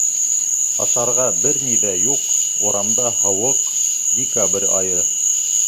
Ашарға бер ни ҙә юҡ, урамда һыуыҡ, декабрь айы.